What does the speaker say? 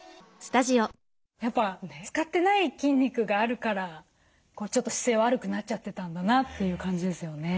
やっぱ使ってない筋肉があるからちょっと姿勢悪くなっちゃってたんだなという感じですよね。